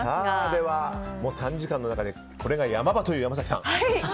では、３時間の中でこれが山場だという山崎さん。